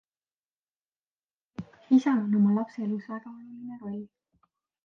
Isal on oma lapse elus väga oluline roll.